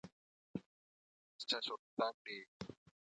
Tait was born in Lively Hall near Liverpool, England.